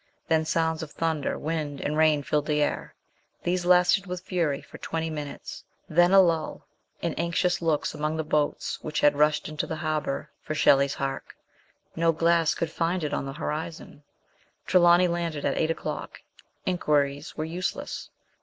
Then sounds of thunder, wind, and rain filled the air; these lasted with fury for twenty minutes; then a lull, and anxious looks among the boats which had rushed into the harbour for Shelley's bark. No glass could find it on the horizon. Tre lawny landed at eight o'clock ; inquiries were useless.